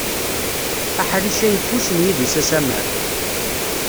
Aḥric ayeffus n yidis asamar.